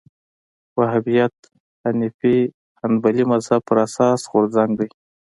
وهابیت حنبلي مذهب پر اساس غورځنګ دی